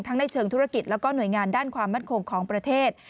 ในเชิงธุรกิจแล้วก็หน่วยงานด้านความมั่นคงของประเทศ